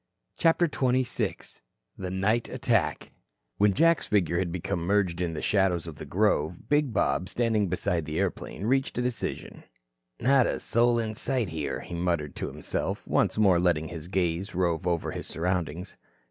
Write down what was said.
CHAPTER XXVI THE NIGHT ATTACK When Jack's figure had become merged in the shadows of the grove, big Bob, standing beside the airplane, reached a decision. "Not a soul in sight here," he muttered to himself, once more letting his gaze rove over his surroundings.